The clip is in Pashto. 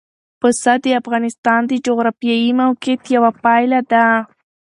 پسه د افغانستان د جغرافیایي موقیعت یوه پایله ده.